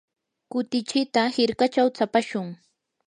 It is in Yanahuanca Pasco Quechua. kutichita hirkachaw tsapashun.